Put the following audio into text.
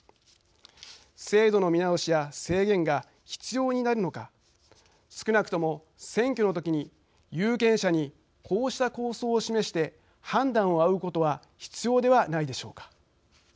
制度の見直しや制限が必要になるのか少なくとも選挙の時に有権者にこうした構想を示して判断を仰ぐことは必要ではないでしょうか。